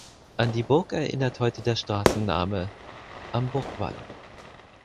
An die Burg erinnert heute der Straßenname "Am Burgwall".